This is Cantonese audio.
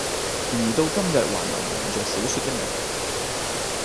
然而到今日還能蒙着小說的名，